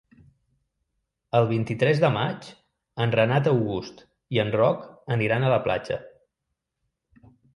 El vint-i-tres de maig en Renat August i en Roc aniran a la platja.